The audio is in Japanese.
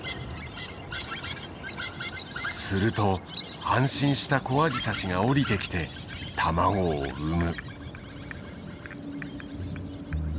すると安心したコアジサシが降りてきて卵を産む。